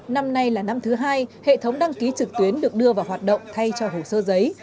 năm nay là năm thứ hai hệ thống đăng ký trực tuyến được đưa vào hoạt động thay cho hồ sơ giấy